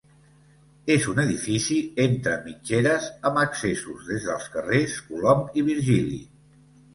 És un edifici entre mitgeres amb accessos des dels carrers Colom i Virgili.